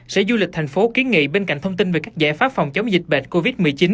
sở du lịch thành phố kiến nghị bên cạnh thông tin về các giải pháp phòng chống dịch bệnh covid một mươi chín